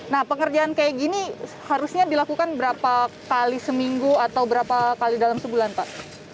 nah pengerjaan kayak gini harusnya dilakukan berapa kali seminggu atau berapa kali dalam sebulan pak